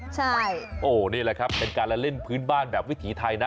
ใช่โอ้นี่แหละครับเป็นการละเล่นพื้นบ้านแบบวิถีไทยนะ